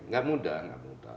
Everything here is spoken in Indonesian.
nggak mudah nggak mudah